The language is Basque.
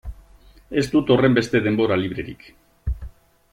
Ez dut horrenbeste denbora librerik.